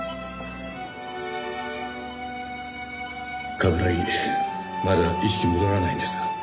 冠城まだ意識戻らないんですか？